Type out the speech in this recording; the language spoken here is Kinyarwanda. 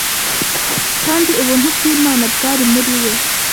kandi ubuntu bw’Imana bwari muri we